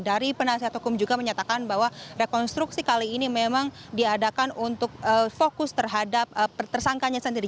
dari penasihat hukum juga menyatakan bahwa rekonstruksi kali ini memang diadakan untuk fokus terhadap tersangkanya sendiri